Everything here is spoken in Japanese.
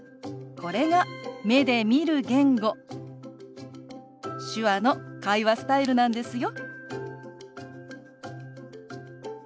これが目で見る言語手話の会話スタイルなんですよ。